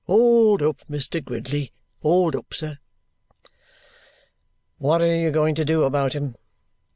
Hold up, Mr. Gridley, hold up, sir!" "What are you going to do about him?"